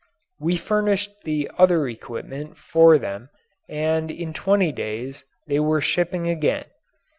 We furnished the other equipment for them and in twenty days they were shipping again.